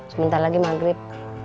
sebentar lagi maghrib